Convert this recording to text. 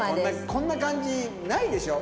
こんな感じないでしょ？